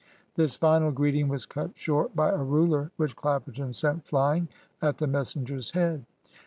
This final greeting was cut short by a ruler which Clapperton sent flying at the messenger's head.